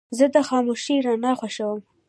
زه د خاموشې رڼا خوښوم.